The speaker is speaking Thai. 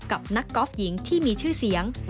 กับนักกอล์ฟหญิงที่มีชื่อเสียง